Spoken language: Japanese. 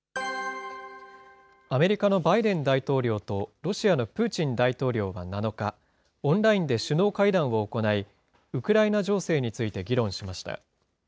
アメリカのバイデン大統領とロシアのプーチン大統領は７日、オンラインで首脳会談を行い、ウクライナ情勢について議論しました。